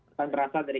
akan berasal dari